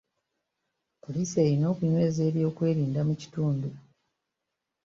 Poliisi erina okunyweza ebyokwerinda mu kitundu.